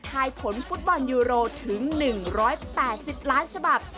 ยผลฟุตบอลยูโรถึง๑๘๐ล้านฉบับ